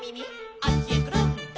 「あっちへくるん」